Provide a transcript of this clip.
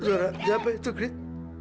suara siapa itu grit